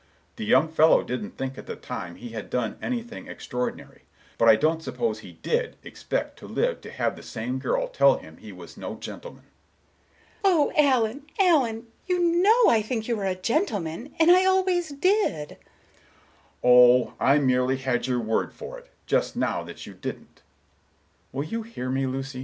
The young fellow didn't think at the time he had done anything extraordinary; but I don't suppose he did expect to live to have the same girl tell him he was no gentleman." Miss Galbraith, wildly: "O Allen, Allen! You know I think you are a gentleman, and I always did!" Mr. Richards, languidly: "Oh, I merely had your word for it, just now, that you didn't." Tenderly, "Will you hear me, Lucy?"